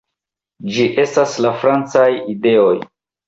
Ĝi estas la francaj ideoj.